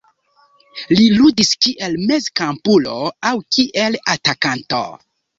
Li ludis kiel mezkampulo aŭ kiel atakanto.